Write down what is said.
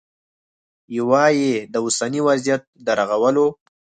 یوه یې د اوسني وضعیت د رغولو